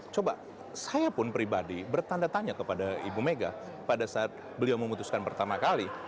coba saya pun pribadi bertanda tanya kepada ibu mega pada saat beliau memutuskan pertama kali